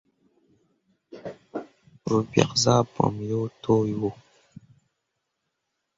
Ru biak zah bamme yo towo.